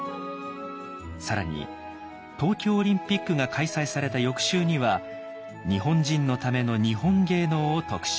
更に東京オリンピックが開催された翌週には「日本人の為の日本芸能」を特集。